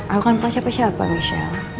aku kan tahu siapa siapa michelle